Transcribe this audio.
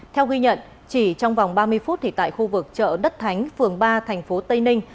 theo ghi nhận chỉ trong vòng ba mươi phút tại khu vực chợ đất thánh phường ba thành phố tây ninh